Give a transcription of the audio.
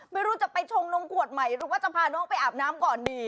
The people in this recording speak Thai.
ไม่รู้จะไปชงนมขวดใหม่หรือว่าจะพาน้องไปอาบน้ำก่อนดี